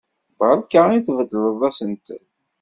Beṛka i tbeddleḍ asentel!